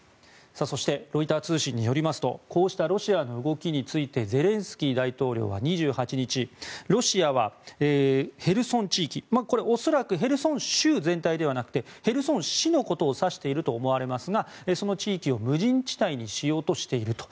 そしてロイター通信によりますとこうしたロシアの動きについてゼレンスキー大統領は２８日ロシアはヘルソン地域恐らくヘルソン州全体ではなくてヘルソン市のことを指していると思われますがその地域を無人地帯にしようとしていると。